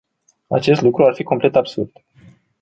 Acest lucru ar fi complet absurd.